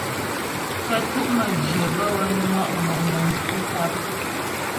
Kə́tu' məjyə bə́ wə́ nwɔ' mɔnəŋ kwi nkap.